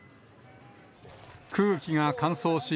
空気が乾燥し、